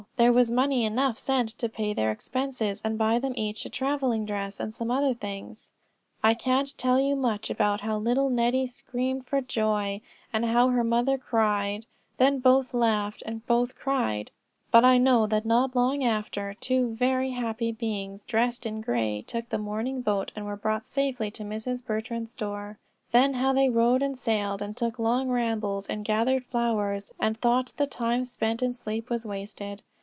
There was money enough sent to pay their expenses, and buy them each a traveling dress, and some other things. I can't tell you much about how Nettie screamed for joy, and how her mother cried, then both laughed, and both cried; but I know that not long after two very happy beings dressed in gray, took the morning boat and were brought safely to Mrs. Bertrand's door. Then how they rode and sailed, and took long rambles, and gathered flowers, and thought the time spent in sleep was wasted.